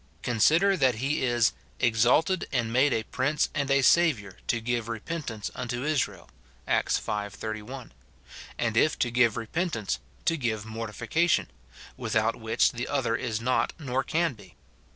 Consider that he is " exalted and made a Prince and a Saviour to give repentance unto Israel," Acts v. 31 ; and if to give repentance, to give mortification, without which the other is not, nor can be.